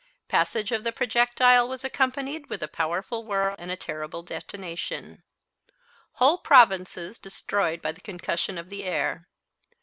Passage of the projectile was accompanied with a powerful whirr and terrible detonation. Whole provinces destroyed by the concussion of the air.